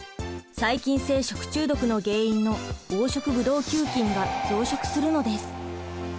細菌性食中毒の原因の黄色ブドウ球菌が増殖するのです。